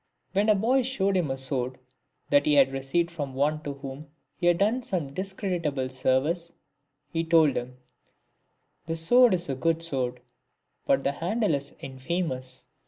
When a boy showed him a sword that he had received from one to whom he had done some discreditable service, he told him, " The sword is a good sword, but the handle is infamous."